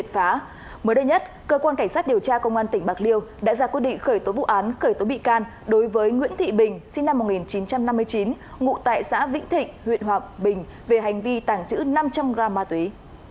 mới đây nhất cơ quan cảnh sát điều tra công an tỉnh bạc liêu đã ra quyết định khởi tố vụ án khởi tố bị can đối với nguyễn thị bình sinh năm một nghìn chín trăm năm mươi chín ngụ tại xã vĩnh thịnh huyện hòa bình về hành vi tàng trữ năm trăm linh gram ma túy